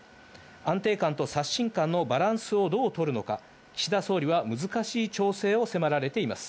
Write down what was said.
安定感と刷新感のバランスをどうとるのか、岸田総理は難しい調整を迫られています。